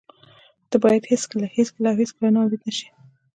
ته باید هېڅکله، هېڅکله او هېڅکله نا امید نشې.